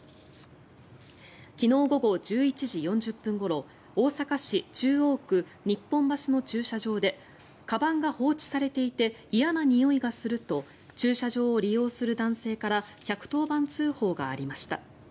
昨日午後１１時４０分ごろ大阪市中央区日本橋の駐車場でかばんが放置されていて嫌なにおいがすると駐車場を利用する男性から１１０番通報がありました。